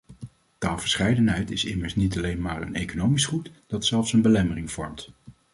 Taalverscheidenheid is immers niet alleen maar een economisch goed dat zelfs een belemmering vormt.